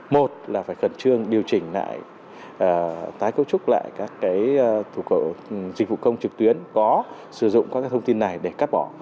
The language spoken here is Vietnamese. một là phải khẩn trương điều chỉnh lại tái cấu trúc lại các thủ công trực tuyến có sử dụng các thông tin này để cắt bỏ